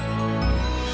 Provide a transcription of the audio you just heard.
aduh mas darwin